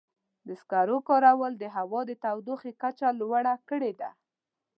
د سکرو کارول د هوا د تودوخې کچه لوړه کړې ده.